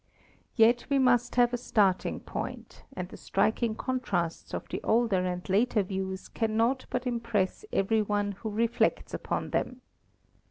Yet we must have a starting point, and the strik ing contrasts of the older and later views cannot but impress every one who reflects upon them.